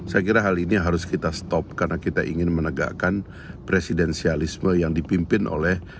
saya kira hal ini harus kita stop karena kita ingin menegakkan presidensialisme yang dipimpin oleh